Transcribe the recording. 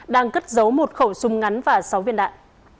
đang cất giấu một khẩu súng ngắn và sáu viên đạn